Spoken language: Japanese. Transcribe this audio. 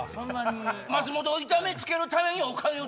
松本を痛めつけるためお金を。